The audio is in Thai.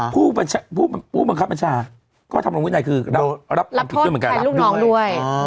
ผู้บัญชาการก็ทำลงวินัยคือรับผลใครลูกน้องด้วย